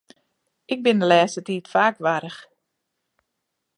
Ik bin de lêste tiid faak warch.